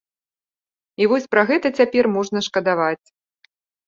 І вось пра гэта цяпер можна шкадаваць.